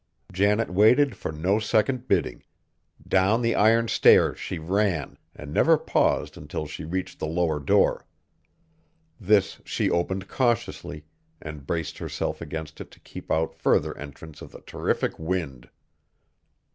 Janet waited for no second bidding. Down the iron stairs she ran, and never paused until she reached the lower door. This she opened cautiously, and braced herself against it to keep out further entrance of the terrific wind.